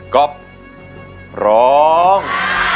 ก็ร้อง